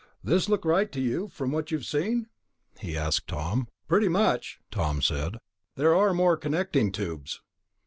"This look right to you, from what you've seen?" he asked Tom. "Pretty much," Tom said. "There are more connecting tubes."